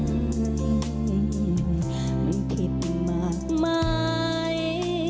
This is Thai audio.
มันผิดมากมาย